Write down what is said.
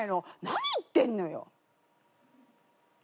何言ってんのよ！